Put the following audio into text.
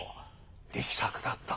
力作だった。